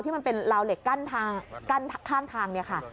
มันเป็นลาวเหล็กกั้นข้างทางเนี่ยค่ะ